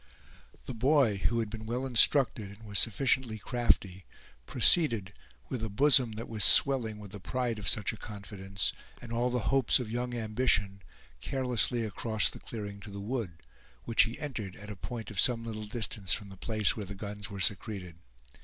The boy, who had been well instructed, and was sufficiently crafty, proceeded, with a bosom that was swelling with the pride of such a confidence, and all the hopes of young ambition, carelessly across the clearing to the wood, which he entered at a point at some little distance from the place where the guns were secreted.